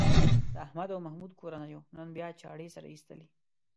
د احمد او محمود کورنیو نن بیا چاړې سره ایستلې.